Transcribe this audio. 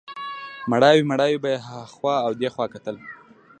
مړاوی مړاوی به یې هخوا او دېخوا کتل.